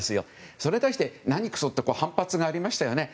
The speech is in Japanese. それに対して、なにくそと反発がありましたよね。